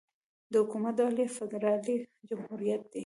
د حکومت ډول یې فدرالي جمهوريت دی.